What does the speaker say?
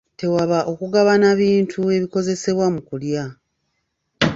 Tewaba okugabana bintu ebikozesebwa mu kulya.